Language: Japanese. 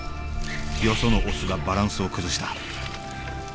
よそのオスがバランスを崩した。